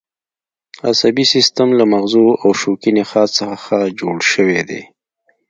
عصبي سیستم له مغزو او شوکي نخاع څخه جوړ شوی دی